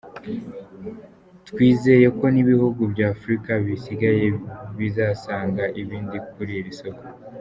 Twizeye ko n’ibihugu bya Afurika bisigaye bizasanga ibindi kuri iri soko.